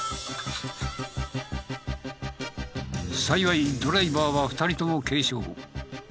幸いドライバーは２人とも軽傷。